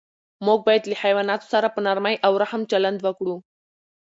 موږ باید له حیواناتو سره په نرمۍ او رحم چلند وکړو.